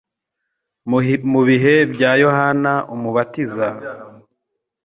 Mu bihe bya Yohana Umubatiza,